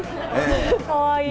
かわいい。